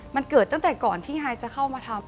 มันเกิดตั้งแต่ก่อนที่ฮายจะเข้ามาทำ